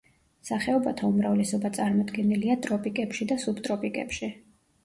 სახეობათა უმრავლესობა წარმოდგენილია ტროპიკებში და სუბტროპიკებში.